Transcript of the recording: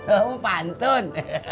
oh mau pantun